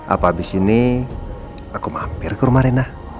apa abis ini aku mampir ke rumah rena